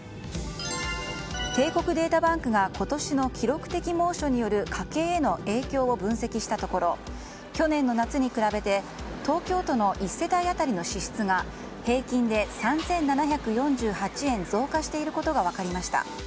帝国データバンクが今年の記録的猛暑による家計への影響を分析したところ去年の夏に比べて東京都の１世帯当たりの支出が平均で３７４８円増加していることが分かりました。